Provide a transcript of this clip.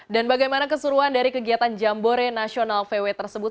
dan bagaimana keseruan dari kegiatan jambore nasional vw tersebut